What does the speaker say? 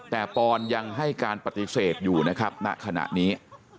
แต่ปอนยังให้การปฏิเสธอยู่นะครับณขณะนี้